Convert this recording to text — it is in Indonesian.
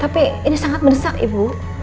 tapi ini sangat mendesak ibu